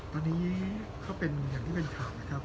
ตอนนี้ก็เป็นอย่างที่เป็นข่าวนะครับ